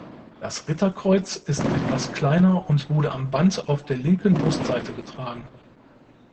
Das Ritterkreuz ist etwas kleiner und wurde am Band auf der linken Brustseite getragen.